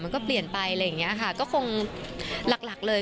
มันก็เปลี่ยนไปอะไรอย่างนี้ค่ะก็คงหลักหลักเลย